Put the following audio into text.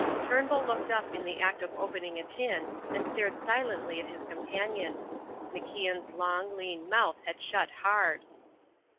Turnbull looked up in the act of opening a tin and stared silently at his companion. MacIan's long, lean mouth had shut hard.